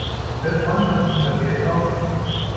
Hört Freundschaft schon beim Geld auf?